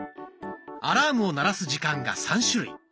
アラームを鳴らす時間が３種類。